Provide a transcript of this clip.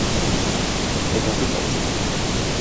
E confirmouse.